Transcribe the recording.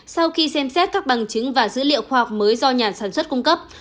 sau khi xem xét các bằng chứng và dữ liệu khoa học mới do nhà sản xuất cung cấp